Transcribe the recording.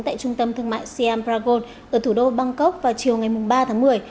tại trung tâm thương mại siam bragon ở thủ đô bangkok vào chiều ngày ba tháng một mươi